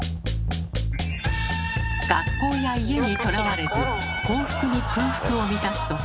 学校や家にとらわれず幸福に空腹を満たす時